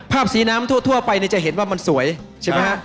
สีน้ำทั่วไปจะเห็นว่ามันสวยใช่ไหมฮะ